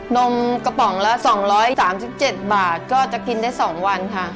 นมกระป๋องละ๒๓๗บาทก็จะกินได้๒วันค่ะ